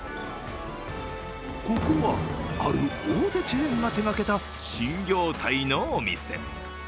ここは、ある大手チェーンが手がけた新業態のお店。